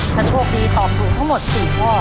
ถ้าโชคดีตอบถูกทั้งหมด๔ข้อ